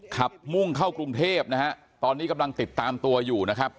มุ่งเข้ากรุงเทพนะฮะตอนนี้กำลังติดตามตัวอยู่นะครับ